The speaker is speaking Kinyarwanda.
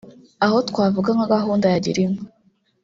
Aho twavuga nka gahunda ya gira inka